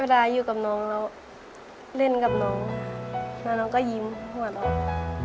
อยู่กับน้องแล้วเล่นกับน้องแล้วน้องก็ยิ้มหวดออก